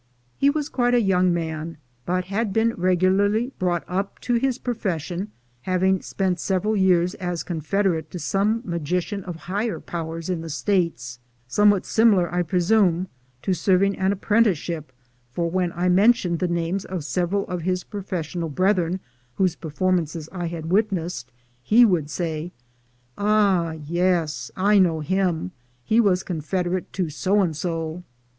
He was quite a young man, but had been regularly brought up to his profession, having spent several years as confederate to some magician of higher powers in the States — somewhat similar, I presume, to serving an apprenticeship, for when I mentioned the names of several of his professional brethren whose performances I had witnessed, he would say, "Ah, yes, I know him; he was confederate to so and so."